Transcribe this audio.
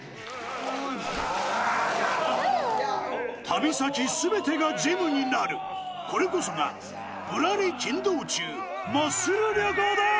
旅先全てがジムになるこれこそが『ぶらり筋道中マッスル旅行』です！